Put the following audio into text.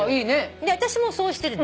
私もそうしてるの。